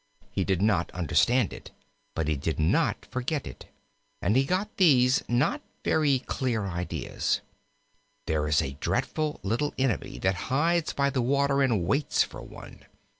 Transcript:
He did not understand it, but he did not forget it, and he got these not very clear ideas: "There is a dreadful little enemy that hides by the water and waits for one.